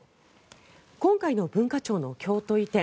今回の文化庁の京都移転。